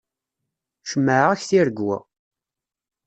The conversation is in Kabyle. Cemɛeɣ-ak tiregwa.